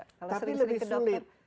tapi lebih sulit